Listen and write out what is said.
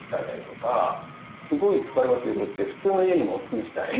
すごい使い勝手よくて普通の家にもおすすめしたい。